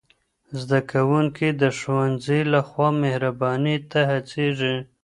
زدهکوونکي د ښوونځي له خوا مهربانۍ ته هڅېږي.